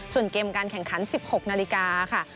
ส่วนเกมการแข่งขัน๑๖นาฬิกาค่ะ